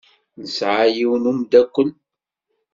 Nesɛa yiwen wemdakel.